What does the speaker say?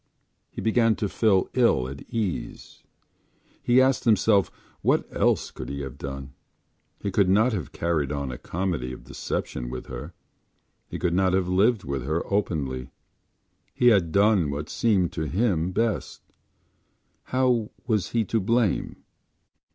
He began to feel ill at ease. He asked himself what else could he have done. He could not have carried on a comedy of deception with her; he could not have lived with her openly. He had done what seemed to him best. How was he to blame?